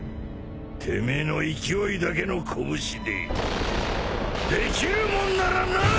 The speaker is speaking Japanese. てめえの勢いだけの拳でできるもんならなあ！